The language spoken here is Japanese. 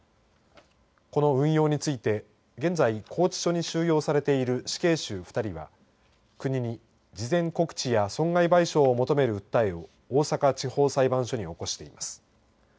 この運用について現在拘置所に収容されている死刑囚２人は国に事前告知や損害賠償を求める訴えを大阪地方裁判所に起こしています。